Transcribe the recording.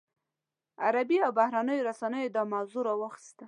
عربي او بهرنیو رسنیو دا موضوع راواخیسته.